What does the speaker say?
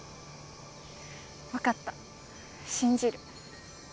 わかった信じる。